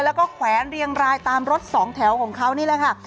แล้วก็แขวนเรียงรายตามรถสองแถวของเขานี่แหละค่ะ